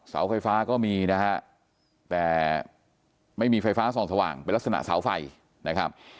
เสาไฟฟ้าก็มีนะฮะแต่ไม่มีไฟฟ้าส่องสว่างเป็นลักษณะเสาไฟนะครับ